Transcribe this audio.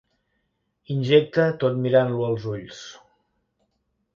Injecta tot mirant-lo als ulls.